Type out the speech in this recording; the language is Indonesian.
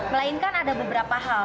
melainkan ada beberapa hal